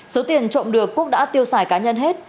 số tiền trộm được quốc đã tiêu xài cá nhân hết